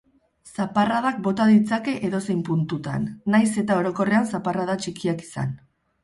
Zaparradak bota ditzake edozein puntutan, nahiz eta orokorrean zaparrada txikiak izan.